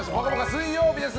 水曜日です。